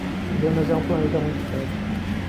Vênus é um planeta muito quente.